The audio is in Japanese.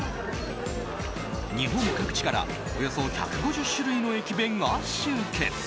日本各地からおよそ１５０種類の駅弁が集結。